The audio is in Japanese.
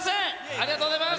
ありがとうございます。